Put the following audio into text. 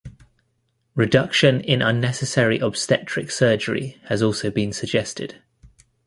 Reduction in unnecessary obstetric surgery has also been suggested.